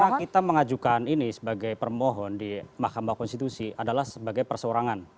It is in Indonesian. karena kita mengajukan ini sebagai permohon di mahkamah konstitusi adalah sebagai persorangan